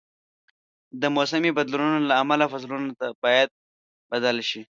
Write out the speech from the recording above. د موسمي بدلونونو له امله فصلونه باید بدل شي.